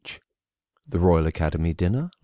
THE ROYAL ACADEMY DINNER.